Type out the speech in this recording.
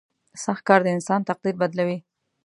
• سخت کار د انسان تقدیر بدلوي.